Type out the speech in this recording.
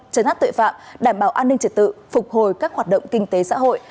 chấn áp tội phạm đảm bảo an ninh trật tự phục hồi các hoạt động kinh tế xã hội